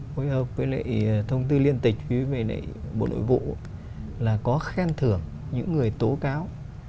hối hợp với lệ thông tư liên tịch với lệ bộ nội vụ là có khen thưởng những người tổ cao